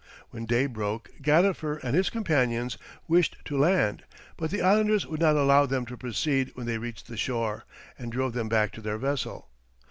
When day broke Gadifer and his companions wished to land; but the islanders would not allow them to proceed when they reached the shore, and drove them back to their vessel.